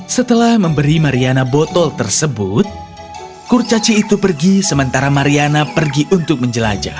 setelah memberi mariana botol tersebut kurcaci itu pergi sementara mariana pergi untuk menjelajah